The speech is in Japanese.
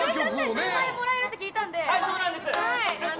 １０万円もらえるって聞いたので。